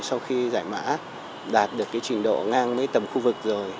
sau khi giải mã đạt được cái trình độ ngang với tầm khu vực rồi